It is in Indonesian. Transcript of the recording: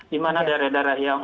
di mana daerah daerah yang